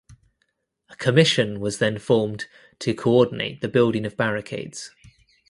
A commission was then formed to coordinate the building of barricades.